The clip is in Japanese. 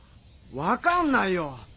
分かんないよ！